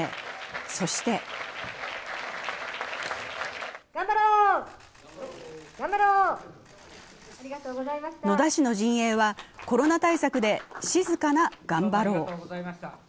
そして野田氏の陣営はコロナ対策で静かな頑張ろう。